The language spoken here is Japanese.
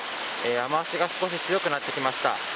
雨脚が少し強くなってきました。